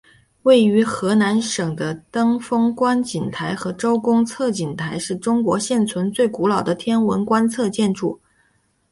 位于河南省的登封观星台和周公测景台是中国现存最古老的天文观测建筑。